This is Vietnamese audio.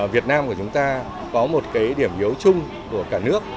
việt nam của chúng ta có một cái điểm yếu chung của cả nước